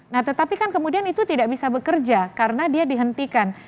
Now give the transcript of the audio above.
nah tetapi kan kemudian itu tidak bisa bekerja karena dia dihentikan